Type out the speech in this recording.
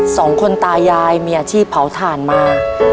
สองคนตายายมีอาชีพเผาถ่านมา